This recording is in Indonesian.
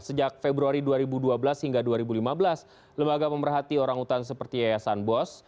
sejak februari dua ribu dua belas hingga dua ribu lima belas lembaga pemerhati orang utan seperti yayasan bos